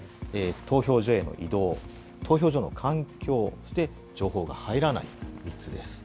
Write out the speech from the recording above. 投票所への移動、投票所の環境、そして情報が入らない、３つです。